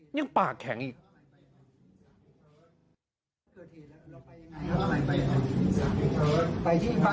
ยังปากแข็งอีก